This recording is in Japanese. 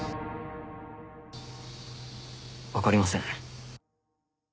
わかりません。